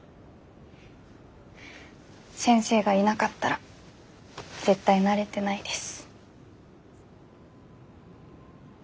先生がいなかったら絶対なれてないです。